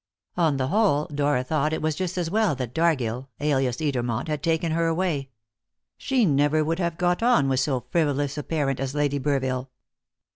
On the whole, Dora thought it was just as well that Dargill, alias Edermont, had taken her away. She never would have got on with so frivolous a parent as Lady Burville.